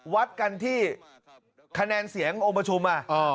วัดกันที่คะแนนเสียงโอปชุมอ่ะ